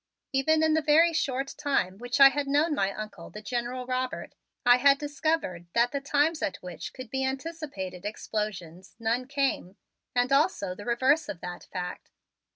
Even in the very short time which I had known my Uncle, the General Robert, I had discovered that the times at which could be anticipated explosions, none came, and also the reverse of that fact.